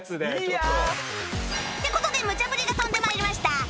って事でむちゃぶりが飛んで参りました